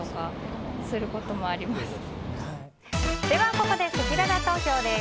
ここで、せきらら投票です。